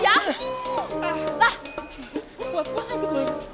serah serah serah